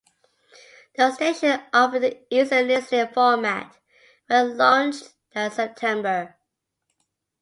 The station offered an easy listening format when it launched that September.